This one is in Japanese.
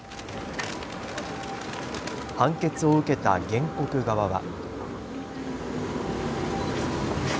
判決を受けた原告側は。